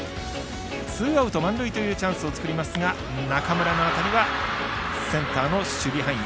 ツーアウト、満塁というチャンスを作りますが中村の当たりはセンターの守備範囲。